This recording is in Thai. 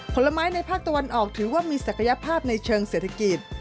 ผลไม้ในภาคตะวันออกถือว่ามีศักยภาพในเชิงเศรษฐกิจ